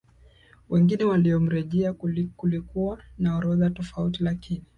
wengine waliomrejea Kulikuwa na orodha tofauti lakini